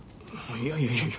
いやいやいやいや